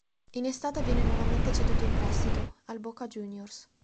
In estate viene nuovamente ceduto in prestito, al Boca Juniors.